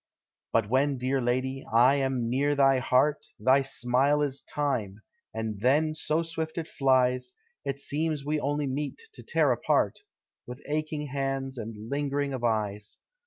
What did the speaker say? But when, dear lady, I am near thy heart, Thy smile is time, and then so swift it flies, It seems we only meet to tear apart, With aching hands and lingering of eyes.